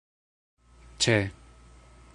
ĉe